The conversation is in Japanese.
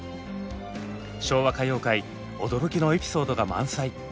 昭和歌謡界驚きのエピソードが満載。